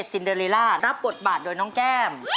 ซินเดอริล่ารับบทบาทโดยน้องแก้ม